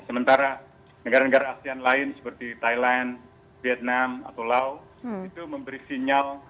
sementara negara negara asean lain seperti thailand vietnam atau lao itu memberi sinyal